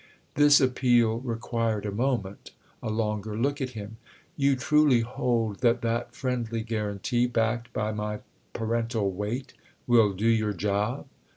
This appeal required a moment—a longer look at him. "You truly hold that that friendly guarantee, backed by my parental weight, will do your job?"